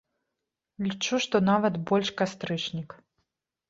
Лічу, што нават больш кастрычнік.